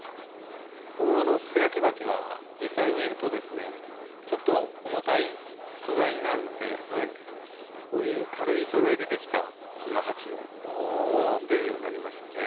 この素焼き鉢は実際植えるとですねちょっと重たい素材になるのでこういう軽い素材でできた今鉢も出るようになりましたね。